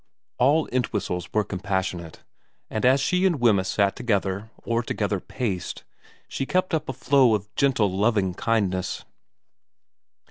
All Entwhistles were compassionate, and as she and Wemyss sat together or together paced, she kept up a flow of gentle loving kindness.